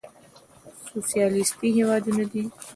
سوسيالېسټي هېوادونه دي.